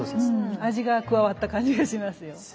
味が加わった感じがしますよ。